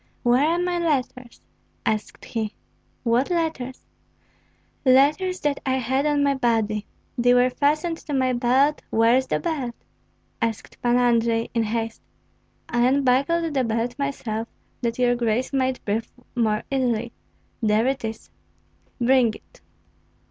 "Where are my letters?" asked he. "What letters?" "Letters that I had on my body. They were fastened to my belt; where is the belt?" asked Pan Andrei, in haste. "I unbuckled the belt myself, that your grace might breathe more easily; there it is." "Bring it."